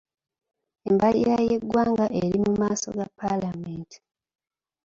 Embalirira y'eggwanga eri mu maaso ga Palamenti,